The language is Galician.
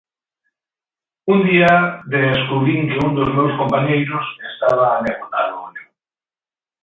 Un día descubrín que un dos meus compañeiros estaba a me botar o ollo.